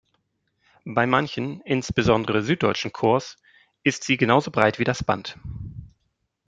Bei manchen, insbesondere süddeutschen, Corps ist sie genauso breit wie das Band.